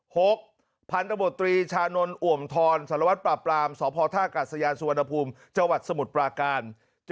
๖พันธุ์บังคับการศูนย์ทรีชานนอว่มทรสวัดปราบรามสพทศสวนภูมิจสมุทรปลาการ